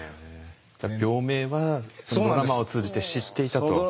病名はそのドラマを通じて知っていたと。